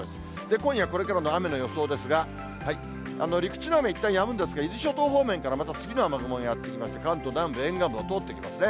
今夜これからの雨の予想ですが、陸地の雨、いったんやむんですが、伊豆諸島方面から、また次の雨雲がやって来まして、関東南部、沿岸部を通っていきますね。